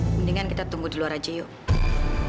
mendingan kita tunggu di luar aja yuk